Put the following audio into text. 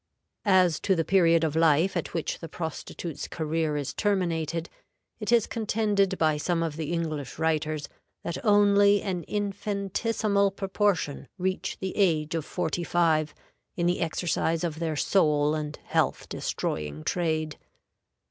As to the period of life at which the prostitute's career is terminated, it is contended by some of the English writers that only an infinitesimal proportion reach the age of forty five in the exercise of their soul and health destroying trade.